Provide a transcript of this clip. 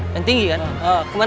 yang tinggi kan